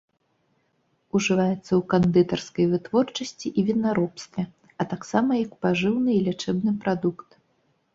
Ужываецца ў кандытарскай вытворчасці і вінаробстве, а таксама як пажыўны і лячэбны прадукт.